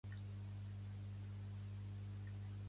El meu nom és Edna: e, de, ena, a.